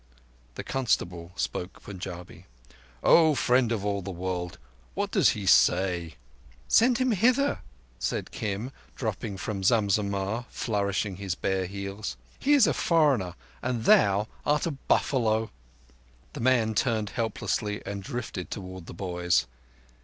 The constable spoke Punjabi. "O Friend of all the World, what does he say?" "Send him hither," said Kim, dropping from Zam Zammah, flourishing his bare heels. "He is a foreigner, and thou art a buffalo." The man turned helplessly and drifted towards the boys.